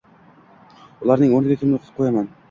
Ularning o’rniga kimni qo’yaman?!